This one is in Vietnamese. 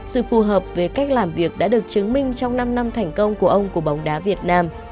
sự phù hợp về cách làm việc đã được chứng minh trong năm năm thành công của ông của bóng đá việt nam